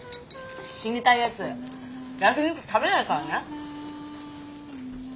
死にたいやつ焼き肉食べないからね。